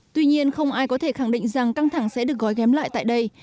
tuy nhiên không ai có thể khẳng định rằng căng thẳng sẽ được gói ghém lại tại đây